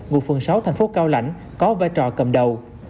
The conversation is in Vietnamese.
vụ phần sáu thành phố cao lãnh có vai trò cầm đầu